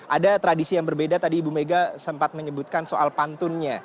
ada tradisi yang berbeda tadi ibu mega sempat menyebutkan soal pantunnya